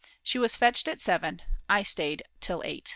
She was fetched at 7, I stayed till 8.